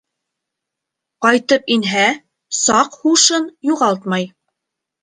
Ҡайтып инһә... саҡ һушын юғалтмай.